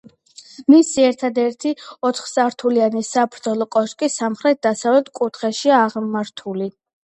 მისი ერთადერთი ოთხსართულიანი საბრძოლო კოშკი სამხრეთ-დასავლეთ კუთხეშია აღმართული.